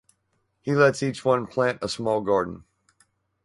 He lets each one plant a small garden.